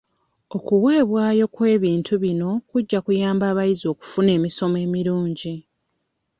Okuweebwayo kw'ebintu bino kujja kuyamba abayizi okufuna emisomo emirungi.